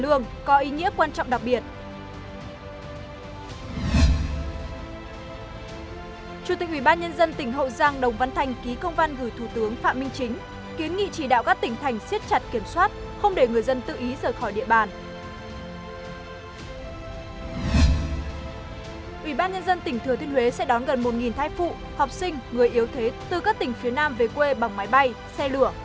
ủy ban nhân dân tỉnh thừa thiên huế sẽ đón gần một thai phụ học sinh người yếu thế từ các tỉnh phía nam về quê bằng máy bay xe lửa